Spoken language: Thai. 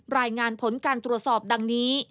รายงานผลการตรวจสอบดังนี้